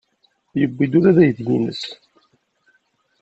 Yewwi-d ula d aydi-nnes.